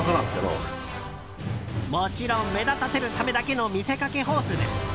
もちろん目立たせるためだけの見せかけホースです。